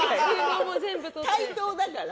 対等だから。